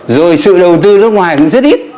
rồi sự đầu tư nước ngoài cũng rất ít